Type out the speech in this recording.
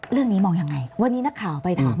สิ่งที่ประชาชนอยากจะฟัง